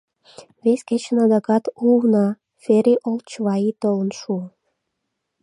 Вес кечын адакат у уна, Фери Олчваи, толын шуо.